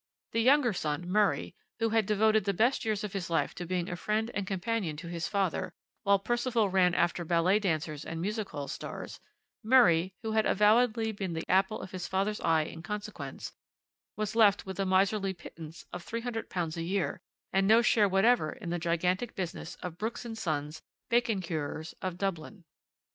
The younger son, Murray, who had devoted the best years of his life to being a friend and companion to his father, while Percival ran after ballet dancers and music hall stars Murray, who had avowedly been the apple of his father's eye in consequence was left with a miserly pittance of £300 a year, and no share whatever in the gigantic business of Brooks & Sons, bacon curers, of Dublin.